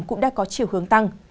cũng đã có triệu hướng tăng